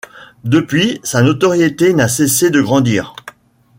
Depuis, sa notoriété n'a cessé de grandir.